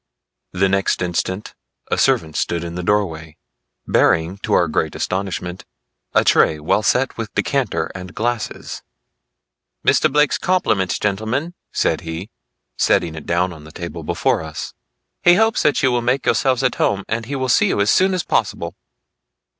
The next instant a servant stood in the doorway, bearing to our great astonishment, a tray well set with decanter and glasses. "Mr. Blake's compliments, gentlemen," said he, setting it down on the table before us. "He hopes you will make yourselves at home and he will see you as soon as possible."